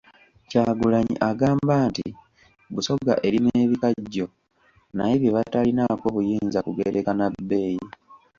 Kyagulanyi agamba nti Busoga erima ebikajjo naye bye batalinaako buyinza kugereka na bbeeyi.